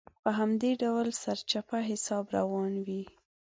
په همدې ډول سرچپه حساب روان وي.